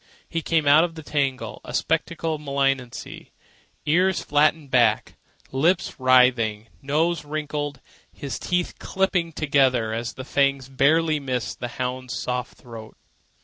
He came out of the tangle a spectacle of malignancy, ears flattened back, lips writhing, nose wrinkling, his teeth clipping together as the fangs barely missed the hound's soft throat.